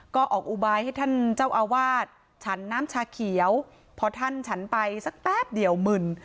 ก็ออกอุบายให้ท่านเจ้าอาวาสฉันน้ำชาเขียวพอท่านฉันไปสักแป๊บเดียวมึน